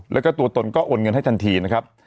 แล้วก็ตัวตนก็โอนเงินให้ทันทีนะครับ